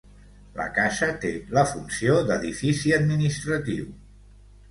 La casa té la funció d'edifici administratiu.